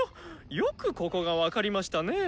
よくここが分かりましたね。